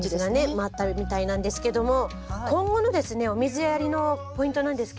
回ったみたいなんですけども今後のですねお水やりのポイントなんですけど。